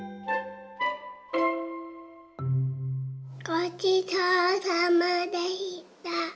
ごちそうさまでした。